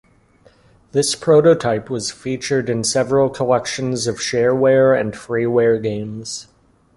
This prototype was featured in several collections of shareware and freeware games.